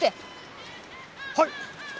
はい！